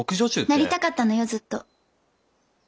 なりたかったのよずっと。